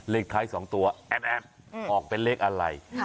เลขท้าย๒ตัวแอดออกเป็นเลขอะไร